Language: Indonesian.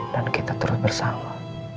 dan kita terus bersama